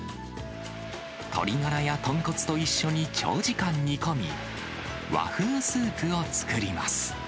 鶏がらや豚骨と一緒に長時間煮込み、和風スープを作ります。